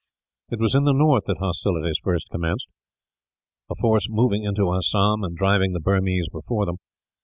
It was in the north that hostilities first commenced, a force moving into Assam and driving the Burmese before them.